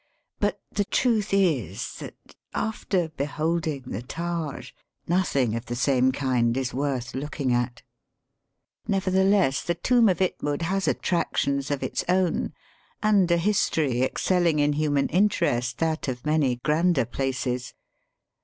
But the truth is that, after beholding the Taj, nothing of the same kind is worth looking at. Never theless the tomb of Itmud has attractions of its own, and a history excelling in human interest that of many grander places.